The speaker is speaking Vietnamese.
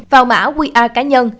vào mã qr cá nhân